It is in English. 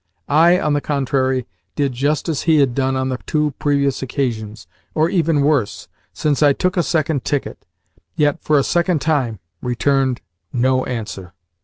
I, on the contrary, did just as he had done on the two previous occasions, or even worse, since I took a second ticket, yet for a second time returned no answer.